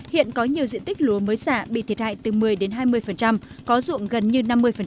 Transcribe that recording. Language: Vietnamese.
hiện có nhiều diện tích lúa mới xạ bị thiệt hại từ một mươi đến hai mươi có dụng gần như năm mươi